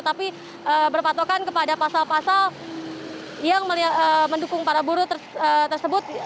tapi berpatokan kepada pasal pasal yang mendukung para buruh tersebut